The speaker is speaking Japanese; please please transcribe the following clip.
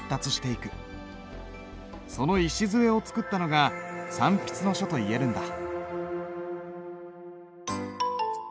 その礎を作ったのが三筆の書といえるんだ。